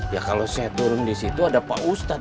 ya kalau saya turun disitu ada pak ustadz